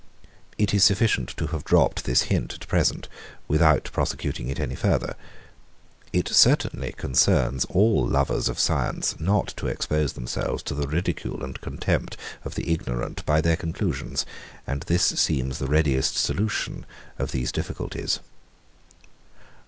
It is sufficient to have dropped this hint at present, without prosecuting it any farther. It certainly concerns all lovers of science not to expose themselves to the ridicule and contempt of the ignorant by their conclusions; and this seems the readiest solution of these difficulties.